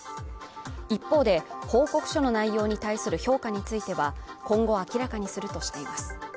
一方で、報告書の内容に対する評価については今後明らかにするとしています。